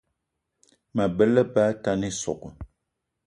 Mabe á lebá atane ísogò